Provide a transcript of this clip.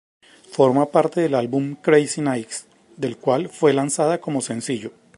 Forma parte del álbum "Crazy Nights", del cual fue lanzada como sencillo.